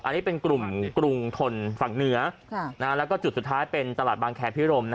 อันนี้เป็นกลุ่มกรุงทนฝั่งเหนือแล้วก็จุดสุดท้ายเป็นตลาดบางแคพิรม